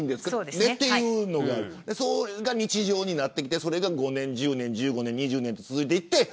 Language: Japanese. それが日常になって５年、１０年、１５年、２０年続いていって。